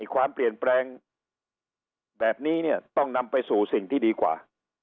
ความเปลี่ยนแปลงแบบนี้เนี่ยต้องนำไปสู่สิ่งที่ดีกว่า